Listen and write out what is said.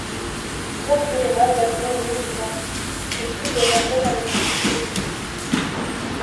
Bien plus grave, la boulimie n'a que peu de rapports avec la satiété.